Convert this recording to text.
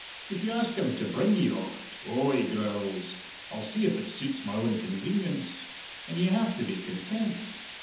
If you ask him to bring ye ocht, 'Oh,' he growls, 'I'll see if it suits my own convenience.' And ye have to be content.